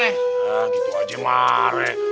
nah gitu aja mah